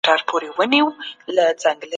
اسلام د بې وسه خلګو ملاتړ کوي.